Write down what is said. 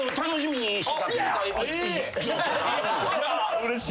うれしい！